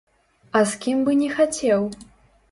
А з кім бы не хацеў?